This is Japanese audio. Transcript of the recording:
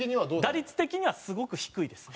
打率的にはすごく低いですね。